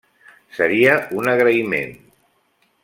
Seria un agraïment.